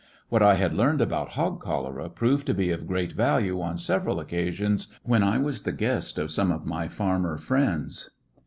What I had learned about hog cholera proved to be of great value on several occasions when I was the guest of some of my farmer friends.